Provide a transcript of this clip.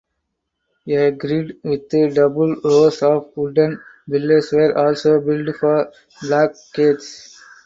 A grid with double rows of wooden pillars were also built for blockades.